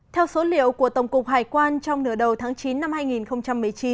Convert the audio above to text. theo số liệu của tổng cục hải quan trong nửa đầu tháng chín năm hai nghìn một mươi chín